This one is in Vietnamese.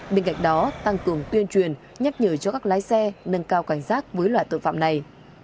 bên cạnh đó tăng cường tuyên truyền nhắc nhở cho các lái xe nâng cao cảnh giác với loại tội phạm này